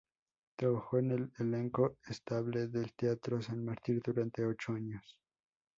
Trabajó en el elenco estable del teatro San Martín durante ocho años.